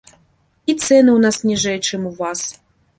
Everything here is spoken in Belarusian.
І цэны ў нас ніжэй, чым у вас.